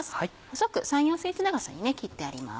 細く３４ｃｍ長さに切ってあります。